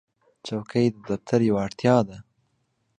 چوکۍ د دفتر یوه اړتیا ده.